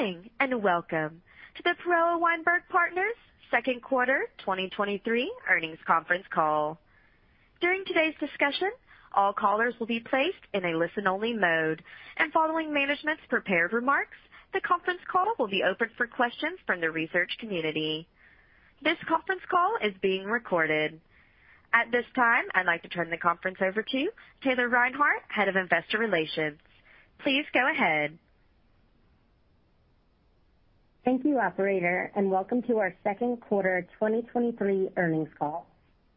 Good morning, and welcome to the Perella Weinberg Partners second quarter 2023 earnings conference call. During today's discussion, all callers will be placed in a listen-only mode, and following management's prepared remarks, the conference call will be opened for questions from the research community. This conference call is being recorded. At this time, I'd like to turn the conference over to Taylor Reinhardt, Head of Investor Relations. Please go ahead. Thank you, operator, welcome to our second quarter 2023 earnings call.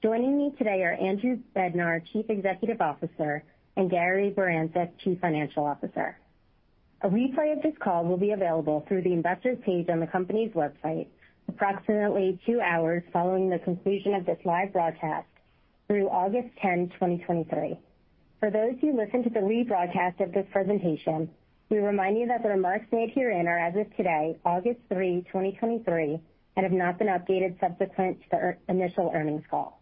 Joining me today are Andrew Bednar, Chief Executive Officer, and Gary Barancik, Chief Financial Officer. A replay of this call will be available through the Investors page on the company's website approximately two hours following the conclusion of this live broadcast through August 10, 2023. For those who listen to the rebroadcast of this presentation, we remind you that the remarks made herein are as of today, August 3, 2023, and have not been updated subsequent to our initial earnings call.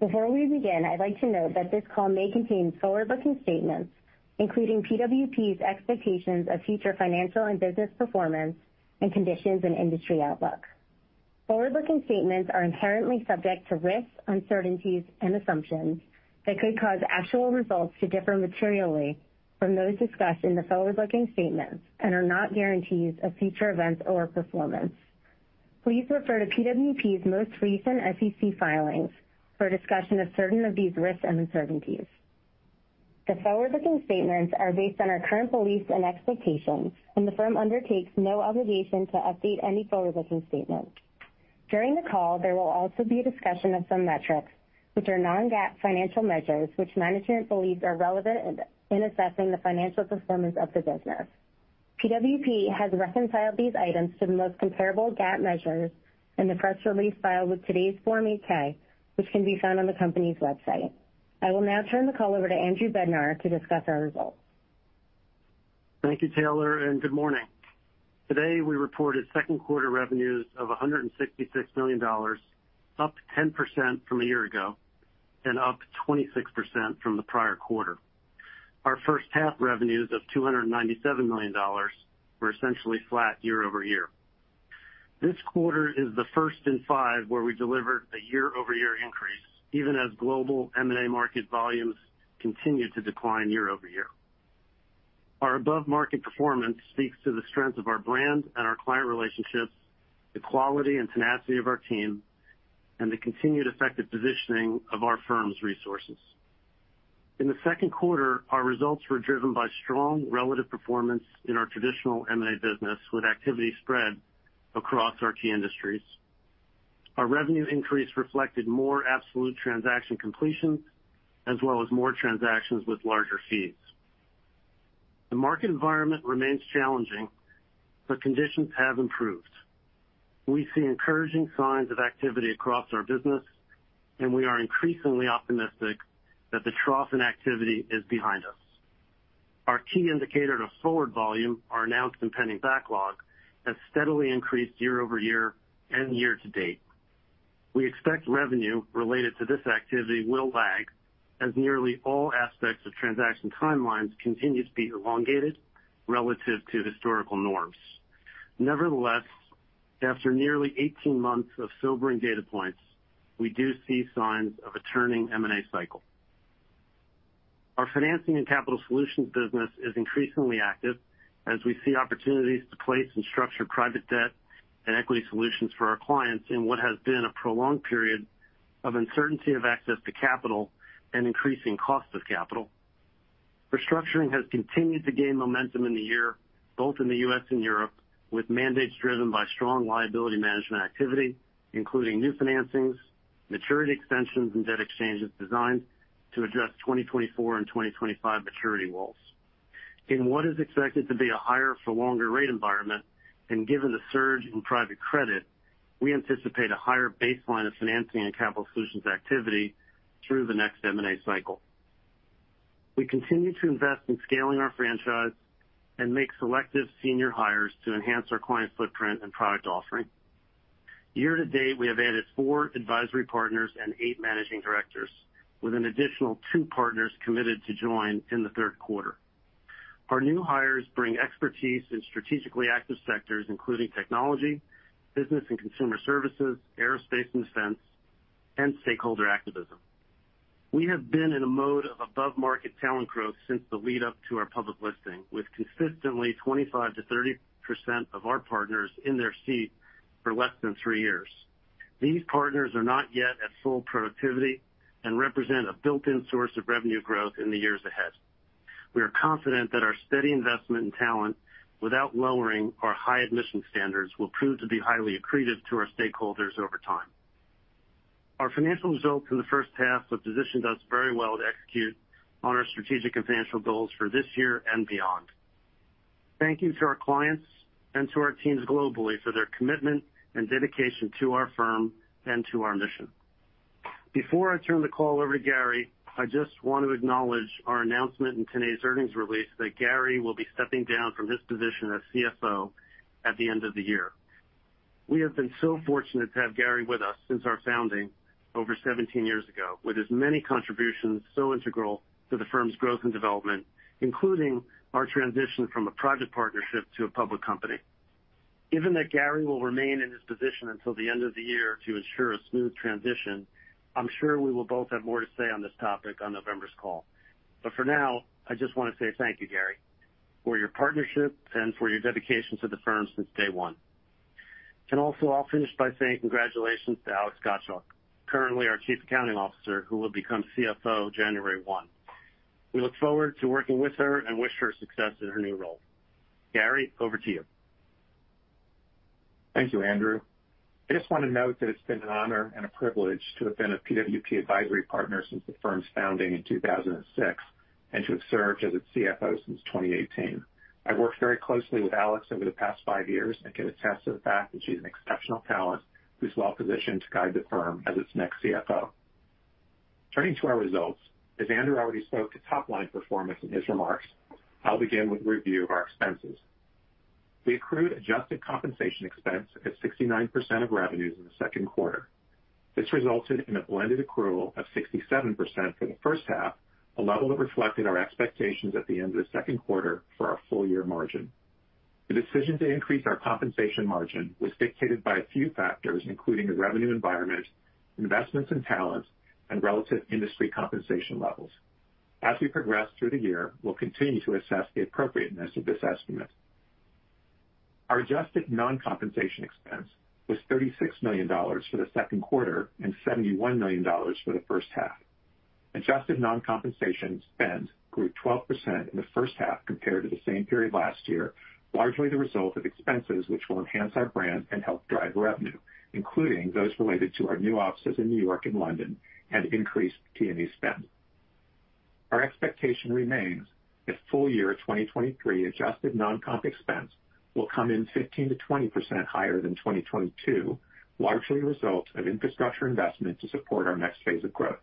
Before we begin, I'd like to note that this call may contain forward-looking statements, including PWP's expectations of future financial and business performance and conditions and industry outlook. Forward-looking statements are inherently subject to risks, uncertainties, and assumptions that could cause actual results to differ materially from those discussed in the forward-looking statements and are not guarantees of future events or performance. Please refer to PWP's most recent SEC filings for a discussion of certain of these risks and uncertainties. The forward-looking statements are based on our current beliefs and expectations. The firm undertakes no obligation to update any forward-looking statements. During the call, there will also be a discussion of some metrics, which are non-GAAP financial measures, which management believes are relevant in assessing the financial performance of the business. PWP has reconciled these items to the most comparable GAAP measures in the press release filed with today's Form 8-K, which can be found on the company's website. I will now turn the call over to Andrew Bednar to discuss our results. Thank you, Taylor. Good morning. Today, we reported second quarter revenues of $166 million, up 10% from a year ago and up 26% from the prior quarter. Our first half revenues of $297 million were essentially flat year-over-year. This quarter is the first in 5 where we delivered a year-over-year increase, even as global M&A market volumes continued to decline year-over-year. Our above-market performance speaks to the strength of our brand and our client relationships, the quality and tenacity of our team, and the continued effective positioning of our firm's resources. In the second quarter, our results were driven by strong relative performance in our traditional M&A business, with activity spread across our key industries. Our revenue increase reflected more absolute transaction completions, as well as more transactions with larger fees. The market environment remains challenging, but conditions have improved. We see encouraging signs of activity across our business, and we are increasingly optimistic that the trough in activity is behind us. Our key indicator of forward volume, our announced and pending backlog, has steadily increased year-over-year and year-to-date. We expect revenue related to this activity will lag, as nearly all aspects of transaction timelines continue to be elongated relative to historical norms. Nevertheless, after nearly 18 months of sobering data points, we do see signs of a turning M&A cycle. Our Financing and Capital Solutions business is increasingly active as we see opportunities to place and structure private debt and equity solutions for our clients in what has been a prolonged period of uncertainty of access to capital and increasing cost of capital. Restructuring has continued to gain momentum in the year, both in the U.S. and Europe, with mandates driven by strong liability management activity, including new financings, maturity extensions, and debt exchanges designed to address 2024 and 2025 maturity walls. In what is expected to be a higher for longer rate environment, given the surge in private credit, we anticipate a higher baseline of Financing and Capital Solutions activity through the next M&A cycle. We continue to invest in scaling our franchise and make selective senior hires to enhance our client footprint and product offering. Year to date, we have added 4 advisory partners and 8 managing directors, with an additional 2 partners committed to join in the third quarter. Our new hires bring expertise in strategically active sectors, including technology, business and consumer services, aerospace and defense, and stakeholder activism. We have been in a mode of above-market talent growth since the lead-up to our public listing, with consistently 25%-30% of our partners in their seat for less than three years. These partners are not yet at full productivity and represent a built-in source of revenue growth in the years ahead. We are confident that our steady investment in talent, without lowering our high admission standards, will prove to be highly accretive to our stakeholders over time. Our financial results in the first half have positioned us very well to execute on our strategic and financial goals for this year and beyond. Thank you to our clients and to our teams globally for their commitment and dedication to our firm and to our mission. Before I turn the call over to Gary, I just want to acknowledge our announcement in today's earnings release that Gary will be stepping down from his position as CFO at the end of the year. We have been so fortunate to have Gary with us since our founding over 17 years ago, with his many contributions so integral to the firm's growth and development, including our transition from a project partnership to a public company. Given that Gary will remain in his position until the end of the year to ensure a smooth transition, I'm sure we will both have more to say on this topic on November's call. For now, I just want to say thank you, Gary, for your partnership and for your dedication to the firm since day 1. Also, I'll finish by saying congratulations to Alex Gottschalk, currently our Chief Accounting Officer, who will become CFO January one. We look forward to working with her and wish her success in her new role. Gary, over to you. Thank you, Andrew. I just want to note that it's been an honor and a privilege to have been a PWP advisory partner since the firm's founding in 2006, and to have served as its CFO since 2018. I've worked very closely with Alex over the past 5 years and can attest to the fact that she's an exceptional talent who's well positioned to guide the firm as its next CFO. Turning to our results, as Andrew already spoke to top-line performance in his remarks, I'll begin with a review of our expenses. We accrued adjusted compensation expense at 69% of revenues in the second quarter. This resulted in a blended accrual of 67% for the first half, a level that reflected our expectations at the end of the second quarter for our full year margin. The decision to increase our compensation margin was dictated by a few factors, including the revenue environment, investments in talent, and relative industry compensation levels. As we progress through the year, we'll continue to assess the appropriateness of this estimate. Our adjusted non-compensation expense was $36 million for the second quarter and $71 million for the first half. Adjusted non-compensation spend grew 12% in the first half compared to the same period last year, largely the result of expenses which will enhance our brand and help drive revenue, including those related to our new offices in New York and London and increased T&E spend. Our expectation remains that full year 2023 adjusted non-comp expense will come in 15%-20% higher than 2022, largely a result of infrastructure investment to support our next phase of growth.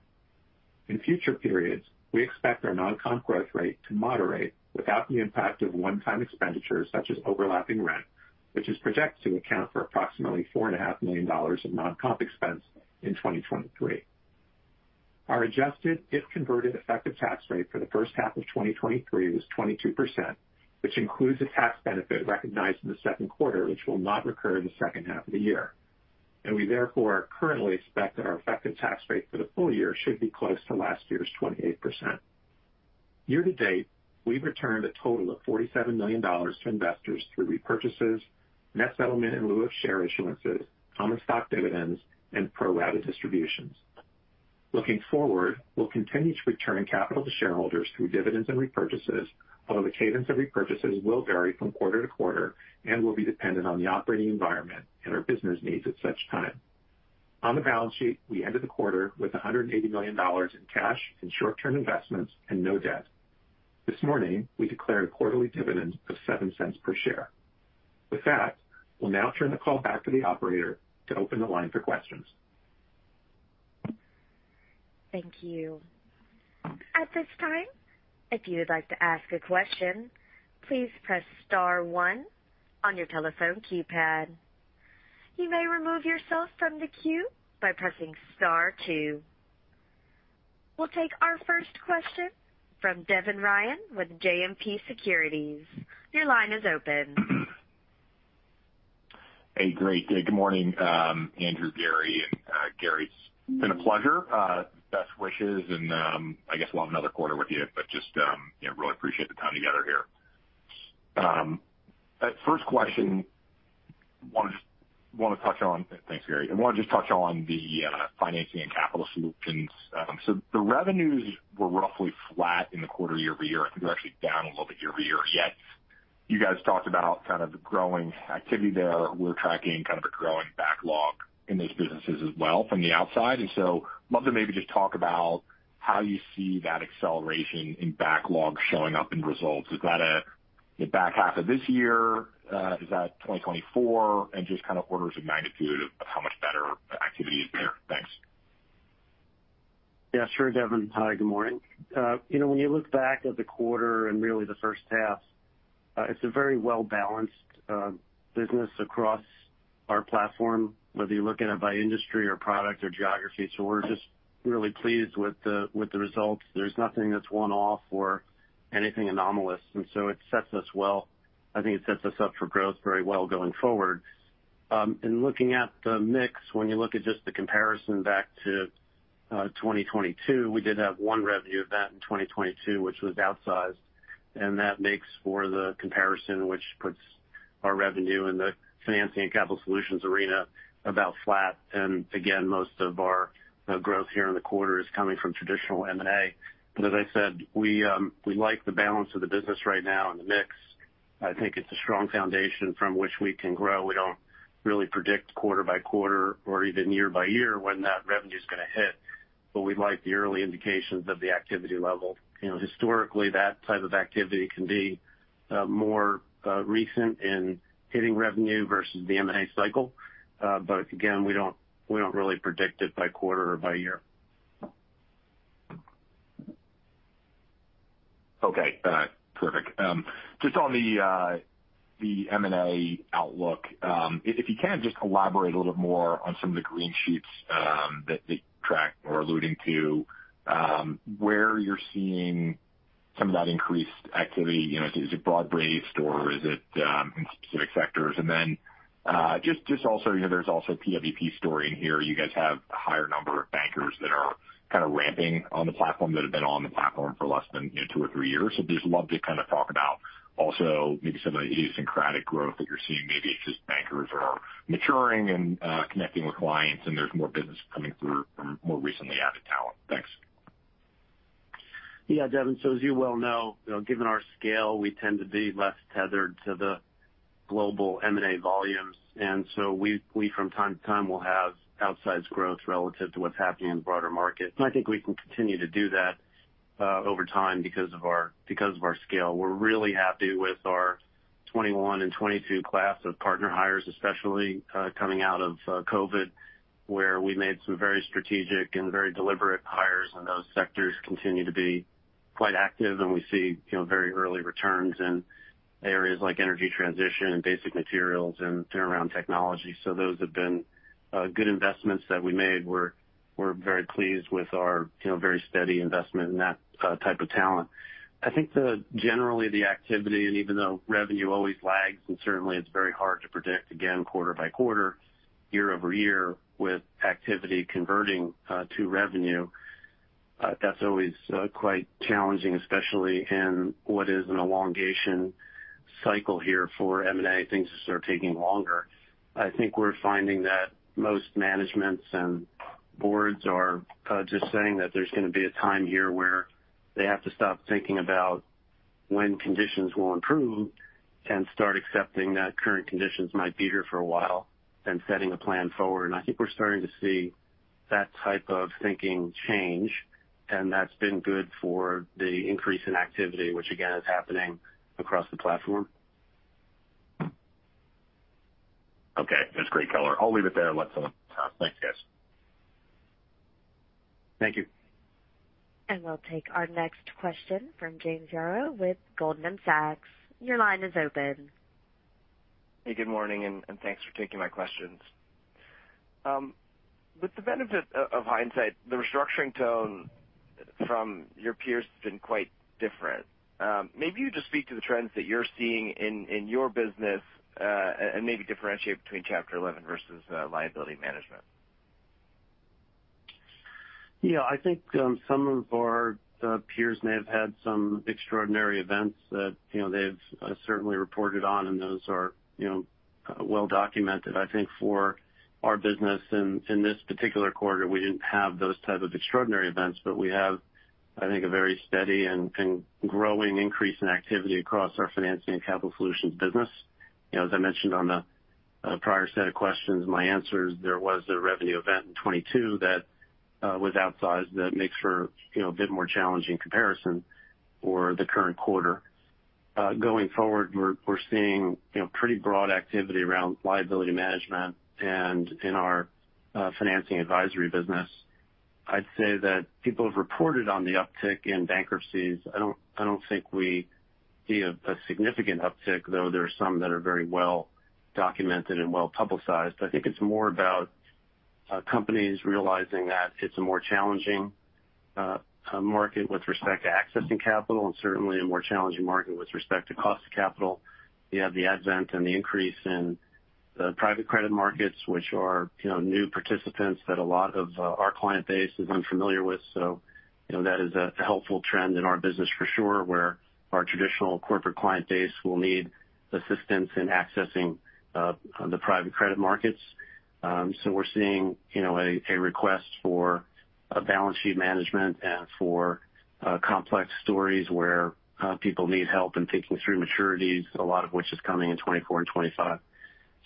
In future periods, we expect our non-comp growth rate to moderate without the impact of one-time expenditures, such as overlapping rent, which is projected to account for approximately $4.5 million of non-comp expense in 2023. Our adjusted, if-converted, effective tax rate for the first half of 2023 was 22%, which includes a tax benefit recognized in the second quarter, which will not recur in the second half of the year. We therefore currently expect that our effective tax rate for the full year should be close to last year's 28%. Year to date, we've returned a total of $47 million to investors through repurchases, net settlement in lieu of share issuances, common stock dividends, and pro rata distributions. Looking forward, we'll continue to return capital to shareholders through dividends and repurchases, although the cadence of repurchases will vary from quarter to quarter and will be dependent on the operating environment and our business needs at such time. On the balance sheet, we ended the quarter with $180 million in cash and short-term investments and no debt. This morning, we declared a quarterly dividend of $0.07 per share. With that, we'll now turn the call back to the operator to open the line for questions. Thank you. At this time, if you would like to ask a question, please press star one on your telephone keypad. You may remove yourself from the queue by pressing star two. We'll take our first question from Devin Ryan with JMP Securities. Your line is open. Hey, great. Good morning, Andrew, Gary. Gary, it's been a pleasure, best wishes, and I guess we'll have another quarter with you, but just, you know, really appreciate the time together here. First question, want to touch on. Thanks, Gary. I want to just touch on the Financing and Capital Solutions. The revenues were roughly flat in the quarter year-over-year. I think they're actually down a little bit year-over-year. Yet you guys talked about kind of the growing activity there. We're tracking kind of a growing backlog in those businesses as well from the outside. Love to maybe just talk about how you see that acceleration in backlog showing up in results. Is that a back half of this year? Is that 2024? Just kind of orders of magnitude of, of how much better the activity is there. Thanks. Yeah, sure, Devin. Hi, good morning. You know, when you look back at the quarter and really the first half, it's a very well-balanced business across our platform, whether you look at it by industry or product or geography. We're just really pleased with the, with the results. There's nothing that's one-off or anything anomalous, and so it sets us well. I think it sets us up for growth very well going forward. Looking at the mix, when you look at just the comparison back to 2022, we did have one revenue event in 2022, which was outsized, and that makes for the comparison, which puts our revenue in the Financing and Capital Solutions arena about flat. Again, most of our growth here in the quarter is coming from traditional M&A. As I said, we like the balance of the business right now and the mix. I think it's a strong foundation from which we can grow. We don't really predict quarter by quarter or even year by year when that revenue's going to hit, but we like the early indications of the activity level. You know, historically, that type of activity can be more recent in hitting revenue versus the M&A cycle. Again, we don't, we don't really predict it by quarter or by year. Okay, perfect. Just on the M&A outlook, if, if you can, just elaborate a little bit more on some of the green shoots that, that you tracked or alluding to, where you're seeing some of that increased activity. You know, is it broad-based, or is it in specific sectors? Just, just also, you know, there's also a PWP story in here. You guys have a higher number of bankers that are kind of ramping on the platform, that have been on the platform for less than, you know, 2 or 3 years. Just love to kind of talk about also maybe some of the idiosyncratic growth that you're seeing. Maybe it's just bankers are maturing and connecting with clients, and there's more business coming through from more recently added talent. Thanks. Yeah, Devin, as you well know, you know, given our scale, we tend to be less tethered to the global M&A volumes. We, we, from time to time, will have outsized growth relative to what's happening in the broader market. I think we can continue to do that over time because of our, because of our scale. We're really happy with our 2021 and 2022 class of partner hires, especially coming out of COVID, where we made some very strategic and very deliberate hires, and those sectors continue to be quite active. We see, you know, very early returns in areas like energy transition and basic materials and turnaround technology. Those have been good investments that we made. We're, we're very pleased with our, you know, very steady investment in that type of talent. I think the generally, the activity, and even though revenue always lags, and certainly it's very hard to predict, again, quarter by quarter, year over year, with activity converting to revenue, that's always quite challenging, especially in what is an elongation cycle here for M&A. Things just are taking longer. I think we're finding that most managements and boards are just saying that there's going to be a time here where they have to stop thinking about when conditions will improve and start accepting that current conditions might be here for a while and setting a plan forward. I think we're starting to see that type of thinking change, and that's been good for the increase in activity, which, again, is happening across the platform. Okay. That's great color. I'll leave it there and let someone else... Thanks, guys. Thank you. We'll take our next question from James Farrow with Goldman Sachs. Your line is open. Hey, good morning, and, and thanks for taking my questions. With the benefit of hindsight, the restructuring tone from your peers has been quite different. Maybe you just speak to the trends that you're seeing in, in your business, and maybe differentiate between Chapter 11 versus, liability management. Yeah, I think, some of our peers may have had some extraordinary events that, you know, they've certainly reported on, and those are, you know, well documented. I think for our business in, in this particular quarter, we didn't have those type of extraordinary events, but we have, I think, a very steady and, and growing increase in activity across our Financing and Capital Solutions business. You know, as I mentioned on the prior set of questions, my answer is there was a revenue event in 2022 that was outsized that makes for, you know, a bit more challenging comparison for the current quarter. Going forward, we're, we're seeing, you know, pretty broad activity around liability management and in our financing advisory business. I'd say that people have reported on the uptick in bankruptcies. I don't, I don't think we see a, a significant uptick, though there are some that are very well documented and well publicized. I think it's more about companies realizing that it's a more challenging market with respect to accessing capital and certainly a more challenging market with respect to cost of capital. You have the advent and the increase in the private credit markets, which are, you know, new participants that a lot of our client base is unfamiliar with. You know, that is a, a helpful trend in our business for sure, where our traditional corporate client base will need assistance in accessing the private credit markets. We're seeing, you know, a, a request for balance sheet management and for complex stories where people need help in thinking through maturities, a lot of which is coming in 2024 and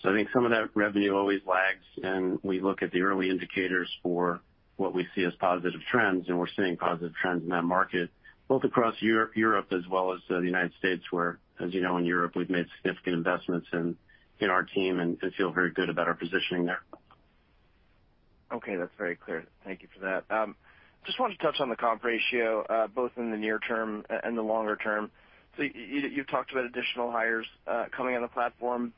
2025. I think some of that revenue always lags, and we look at the early indicators for what we see as positive trends, and we're seeing positive trends in that market, both across Europe, Europe as well as the United States, where, as you know, in Europe, we've made significant investments in, in our team and, and feel very good about our positioning there. Okay. That's very clear. Thank you for that. Just wanted to touch on the comp ratio both in the near term and the longer term. You've talked about additional hires coming on the platform.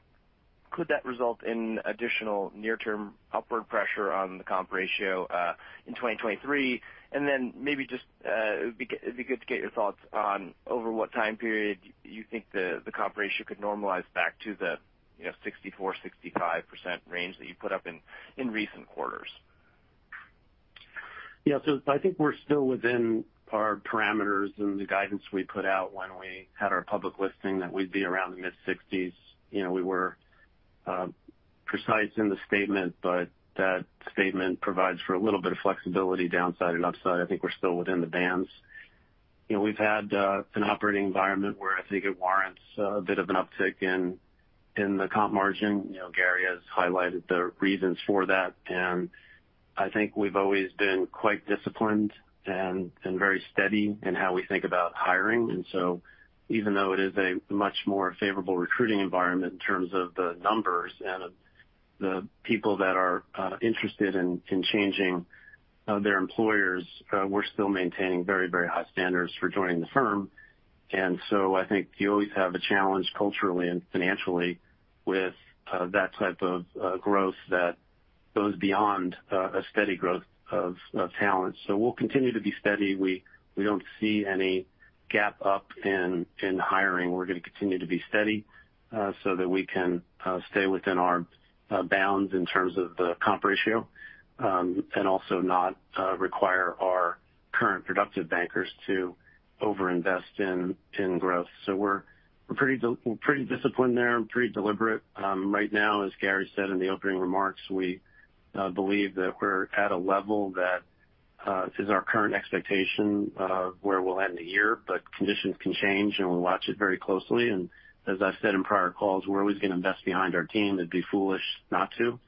Could that result in additional near-term upward pressure on the comp ratio in 2023? Then maybe just it'd be good to get your thoughts on over what time period you think the comp ratio could normalize back to the 64%-65% range that you put up in recent quarters. I think we're still within our parameters and the guidance we put out when we had our public listing, that we'd be around the mid-60s. You know, we were precise in the statement, but that statement provides for a little bit of flexibility downside and upside. I think we're still within the bands. You know, we've had an operating environment where I think it warrants a bit of an uptick in, in the comp margin. You know, Gary has highlighted the reasons for that, and I think we've always been quite disciplined and, and very steady in how we think about hiring. Even though it is a much more favorable recruiting environment in terms of the numbers and the people that are interested in, in changing their employers, we're still maintaining very, very high standards for joining the firm. I think you always have a challenge culturally and financially with that type of growth that goes beyond a steady growth of talent. We'll continue to be steady. We, we don't see any gap up in hiring. We're going to continue to be steady so that we can stay within our bounds in terms of the comp ratio, and also not require our current productive bankers to overinvest in growth. We're, we're pretty de- we're pretty disciplined there and pretty deliberate. Right now, as Gary said in the opening remarks, we believe that we're at a level that is our current expectation where we'll end the year, but conditions can change, and we'll watch it very closely. As I've said in prior calls, we're always going to invest behind our team. It'd be foolish not to.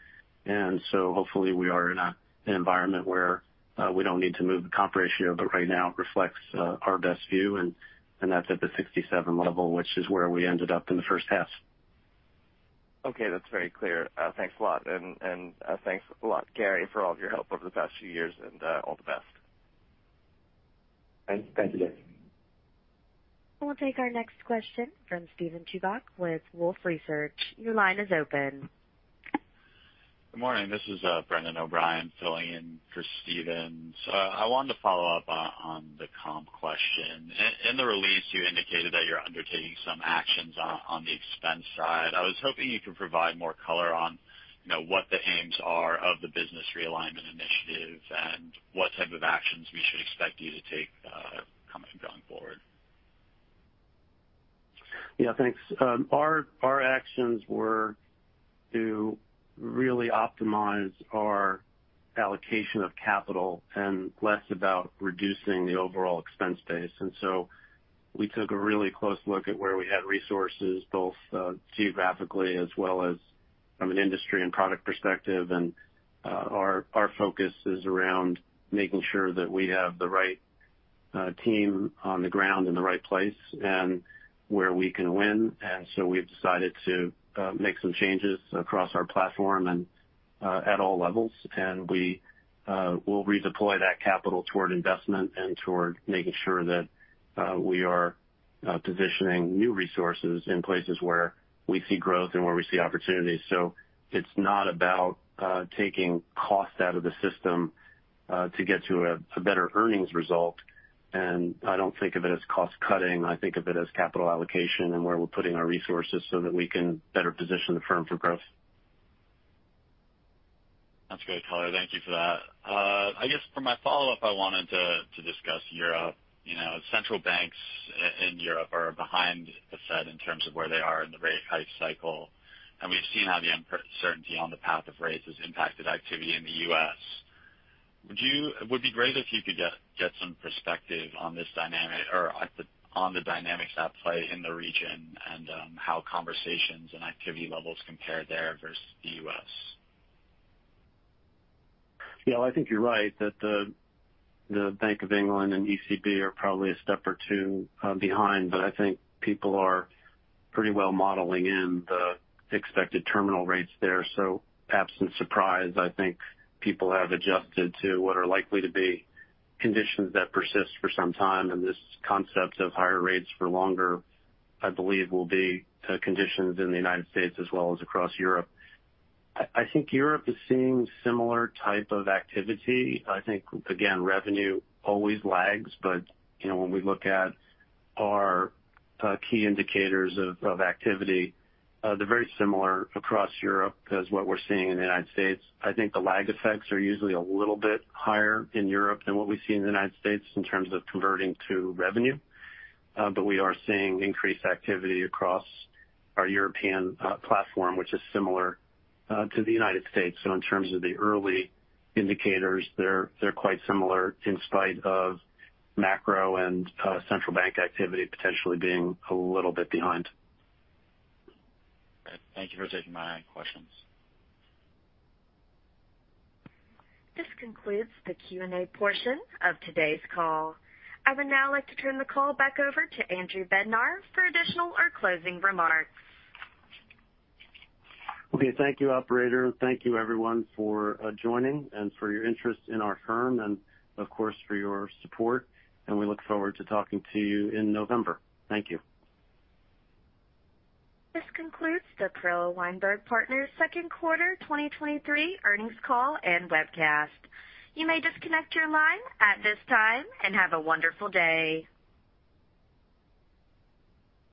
Hopefully we are in a, an environment where we don't need to move the comp ratio, but right now it reflects our best view, and that's at the 67 level, which is where we ended up in the first half. Okay, that's very clear. Thanks a lot, and, thanks a lot, Gary, for all of your help over the past few years, and, all the best. Thank you, Jeff. We'll take our next question from Steven Chubock with Wolfe Research. Your line is open. Good morning. This is Brendan O'Brien filling in for Steven. I wanted to follow up on, on the comp question. In, in the release, you indicated that you're undertaking some actions on, on the expense side. I was hoping you could provide more color on, you know, what the aims are of the business realignment initiative and what type of actions we should expect you to take, coming going forward. Yeah, thanks. Our, our actions were to really optimize our allocation of capital and less about reducing the overall expense base. So we took a really close look at where we had resources, both geographically as well as from an industry and product perspective. Our, our focus is around making sure that we have the right team on the ground in the right place and where we can win. So we've decided to make some changes across our platform and at all levels, and we will redeploy that capital toward investment and toward making sure that we are positioning new resources in places where we see growth and where we see opportunities. It's not about taking cost out of the system to get to a better earnings result, and I don't think of it as cost-cutting. I think of it as capital allocation and where we're putting our resources so that we can better position the firm for growth. That's great color. Thank you for that. I guess for my follow-up, I wanted to discuss Europe. You know, central banks in Europe are behind the Fed in terms of where they are in the rate hike cycle, and we've seen how the uncertainty on the path of rates has impacted activity in the US. It would be great if you could get some perspective on this dynamic or on the dynamics at play in the region and how conversations and activity levels compare there versus the US. Yeah, I think you're right that the Bank of England and ECB are probably a step or two behind, but I think people are pretty well modeling in the expected terminal rates there. Absent surprise, I think people have adjusted to what are likely to be conditions that persist for some time, and this concept of higher rates for longer, I believe, will be conditions in the United States as well as across Europe. I think Europe is seeing similar type of activity. I think, again, revenue always lags, but, you know, when we look at our key indicators of activity, they're very similar across Europe as what we're seeing in the United States. I think the lag effects are usually a little bit higher in Europe than what we see in the United States in terms of converting to revenue. We are seeing increased activity across our European platform, which is similar to the United States. In terms of the early indicators, they're, they're quite similar in spite of macro and central bank activity potentially being a little bit behind. Thank you for taking my questions. This concludes the Q&A portion of today's call. I would now like to turn the call back over to Andrew Bednar for additional or closing remarks. Okay. Thank you, operator. Thank you everyone for joining and for your interest in our firm and, of course, for your support. We look forward to talking to you in November. Thank you. This concludes the Perella Weinberg Partners second quarter 2023 earnings call and webcast. You may disconnect your line at this time, and have a wonderful day.